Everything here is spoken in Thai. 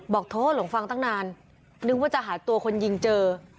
โทษหลงฟังตั้งนานนึกว่าจะหาตัวคนยิงเจอ